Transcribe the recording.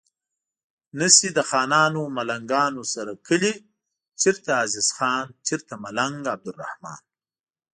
نه شي د خانانو ملنګانو سره کلي چرته عزیز خان چرته ملنګ عبدالرحمان